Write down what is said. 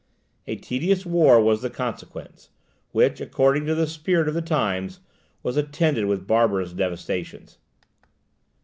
A tedious war was the consequence, which, according to the spirit of the times, was attended with barbarous devastations.